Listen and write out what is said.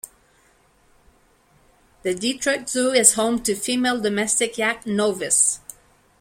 The Detroit Zoo is home to female domestic yak, Novus.